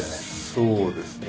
そうですね。